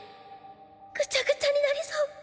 ぐちゃぐちゃになりそう。